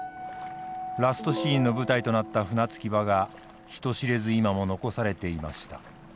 ラストシーンの舞台となった船着き場が人知れず今も残されていました。